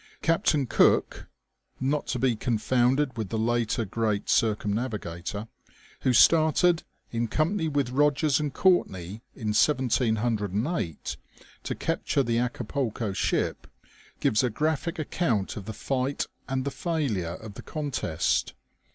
Captain Cooke (not to be con founded with the later great circumnavigator), who started, in company with Eogers and Courtney, in 1708, to capture the Acapulco ship, gives a graphic account of the fight and the failure of the contest.